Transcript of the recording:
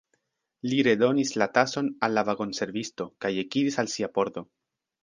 Li redonis la tason al la vagonservisto, kaj ekiris al sia pordo.